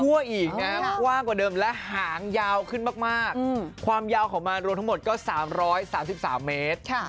อีกนะกว้างกว่าเดิมและหางยาวขึ้นมากความยาวของมันรวมทั้งหมดก็๓๓เมตร